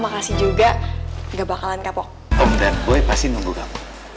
tidak tidak tidak